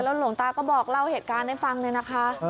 หลวงตาก็บอกเล่าเหตุการณ์ให้ฟังเลยนะคะ